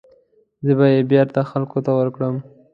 زه به یې بېرته خلکو ته ورکړم.